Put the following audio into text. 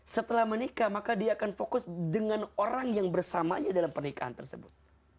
setelah menikah maka dia akan fokus dengan orang yang bersamanya dalam pernikahan tersebut